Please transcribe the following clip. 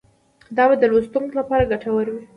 دا به د لوستونکو لپاره ګټور وي.